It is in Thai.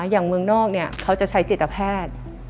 อย่างเมืองนอกเขาจะใช้จิตแพทย์